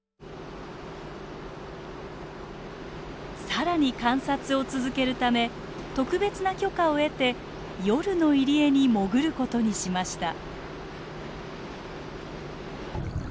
さらに観察を続けるため特別な許可を得て夜の入り江に潜ることにしました。